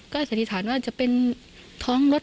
ก็จะสัตวิถูสรารว่าจะเป็นท้องรถ